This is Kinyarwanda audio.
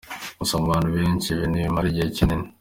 Gusa ku bantu benshi ibi ntibimara igihe kinini.